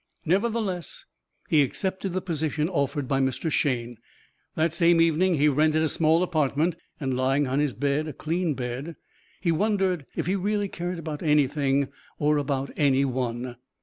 Nevertheless he accepted the position offered by Mr. Shayne. That same evening he rented a small apartment, and, lying on his bed, a clean bed, he wondered if he really cared about anything or about anyone.